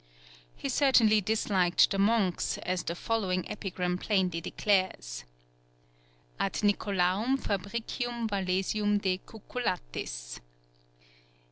He certainly disliked the monks, as the following epigram plainly declares: _Ad Nicolaum Fabricium Valesium De cucullatis.